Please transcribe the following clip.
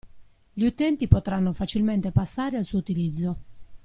Gli utenti potranno facilmente passare al suo utilizzo.